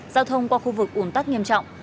giao thông qua khu vực ủn tắc nghiêm trọng